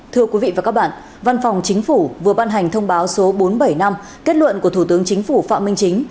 thưa quý vị và các bạn văn phòng chính phủ vừa ban hành thông báo số bốn trăm bảy mươi năm kết luận của thủ tướng chính phủ phạm minh chính